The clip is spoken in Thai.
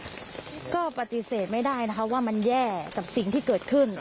ก็ปฏิเสธไม่ได้นะคะว่ามันแย่กับสิ่งที่เกิดขึ้น